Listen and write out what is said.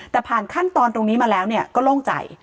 แต่ผ่านขั้นตอนตรงนี้มาแล้วก็โล่งใจ